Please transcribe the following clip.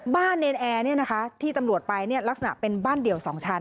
เนรนแอร์ที่ตำรวจไปลักษณะเป็นบ้านเดี่ยว๒ชั้น